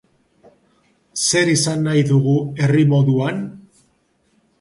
Zer izan nahi dugu herri moduan?